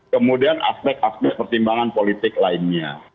kemudian aspek aspek pertimbangan politik lainnya